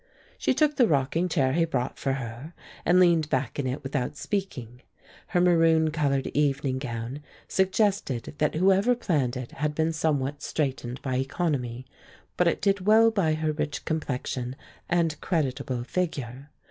She took the rocking chair he brought for her and leaned back in it without speaking. Her maroon colored evening gown suggested that whoever planned it had been somewhat straitened by economy, but it did well by her rich complexion and creditable figure.